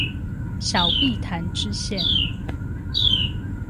小碧潭支線